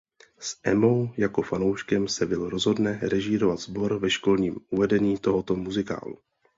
S Emmou jako fanouškem se Will rozhodne režírovat sbor ve školním uvedení tohoto muzikálu.